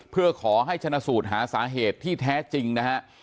เพื่อขอให้ชนะสูตรหาสาเหตุที่แท้จริงนะฮะ